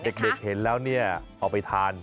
เด็กเห็นแล้วเอาไปทาน